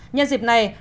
nhân dịp này